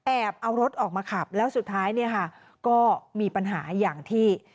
แอบเอารถออกมาขับแล้วสุดท้ายก็มีปัญหาอย่างที่